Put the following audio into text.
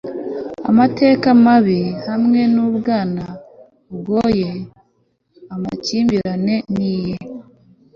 amateka mabi hamwe nubwana bugoye. amakimbirane ni iye